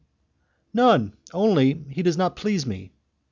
'None, only he does not please me.